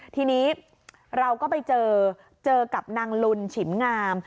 ทีนี้เราก็ไปเจอเจอกับนางลุนฉิมงาม